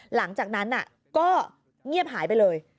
หลังจากนั้นก็เงียบหายไปเลย